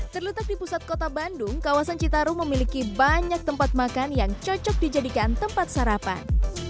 terletak di pusat kota bandung kawasan citarum memiliki banyak tempat makan yang cocok dijadikan tempat sarapan